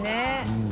うん。